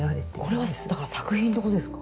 これはだから作品ってことですか？